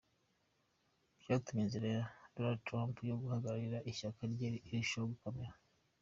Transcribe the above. Byatumye inzira ya Donald Trump yo guhagararira ishyaka rye irushaho gukomera.